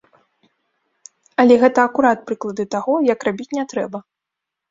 Але гэта акурат прыклады таго, як рабіць не трэба.